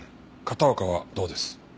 片岡はどうです？え？